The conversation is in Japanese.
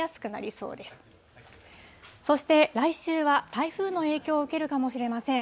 そして来週は台風の影響を受けるかもしれません。